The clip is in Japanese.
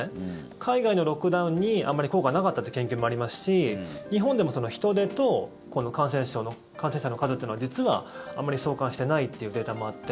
海外のロックダウンにあんまり効果がなかったって研究もありますし、日本でも人出と感染者の数というのは実はあんまり相関していないというデータもあって。